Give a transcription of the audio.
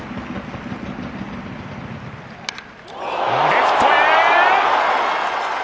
レフトへ！